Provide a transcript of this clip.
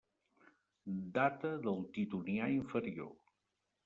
Data del Titonià inferior.